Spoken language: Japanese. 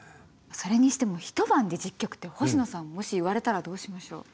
それにしても１晩で１０曲って星野さんもし言われたらどうしましょう？